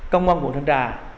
công an quận trang trà